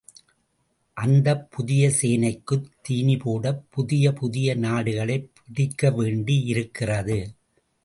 அந்தப் புதிய சேனைக்குத் தீனிபோடப் புதிய புதிய நாடுகளைப் பிடிக்கவேண்டியிருக்கிறது.